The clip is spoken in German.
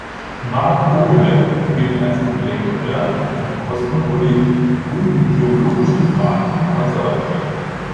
Marc Ouellet gilt als Intellektueller und Kosmopolit und in theologischen Fragen konservativ.